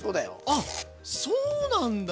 あっそうなんだ。